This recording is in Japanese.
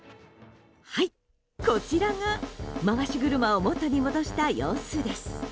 はい、こちらが回し車を元に戻した様子です。